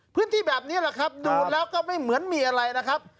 พื้นที่แบบนี้แหละครับดูแล้วก็ไม่เหมือนมีอะไรนะครับ